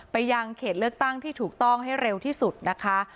ยังเขตเลือกตั้งที่ถูกต้องให้เร็วที่สุดนะคะ